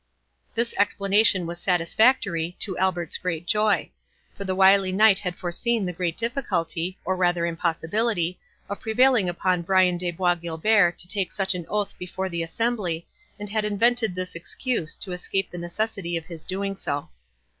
This explanation was satisfactory, to Albert's great joy; for the wily knight had foreseen the great difficulty, or rather impossibility, of prevailing upon Brian de Bois Guilbert to take such an oath before the assembly, and had invented this excuse to escape the necessity of his doing so.